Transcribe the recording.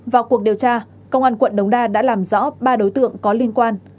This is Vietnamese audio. vào cuộc điều tra công an quận đống đa đã làm rõ ba đối tượng có liên quan